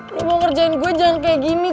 mau ngerjain gue jangan kayak gini